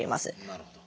なるほど。